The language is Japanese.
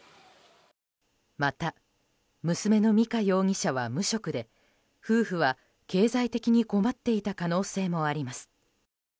また、娘の美香容疑者は無職で夫婦は経済的に困っていた可能性もあります。